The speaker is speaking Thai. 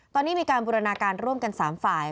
ตอนนี้มีการบูรณาการร่วมกัน๓ฝ่าย